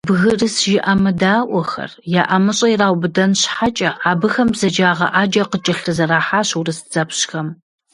«Бгырыс жыӀэмыдаӀуэхэр» я ӀэмыщӀэ ираубыдэн щхьэкӀэ, абыхэм бзаджагъэ Ӏэджэ къыкӀэлъызэрахьащ урыс дзэпщхэм.